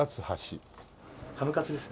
ハムカツです。